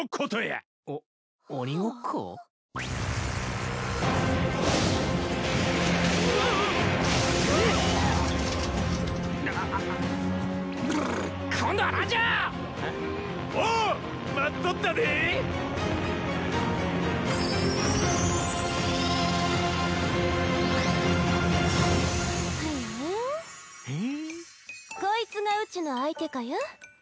こいつがうちの相手かや？